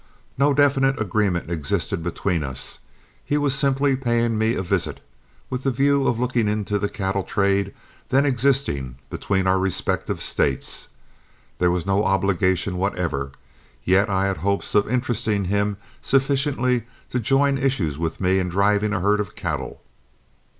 No definite agreement existed between us; he was simply paying me a visit, with the view of looking into the cattle trade then existing between our respective States. There was no obligation whatever, yet I had hopes of interesting him sufficiently to join issues with me in driving a herd of cattle.